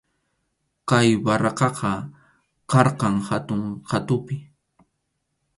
Kay barracaqa karqan hatun qhatupi.